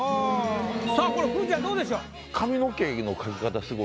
さあこれくーちゃんどうでしょう？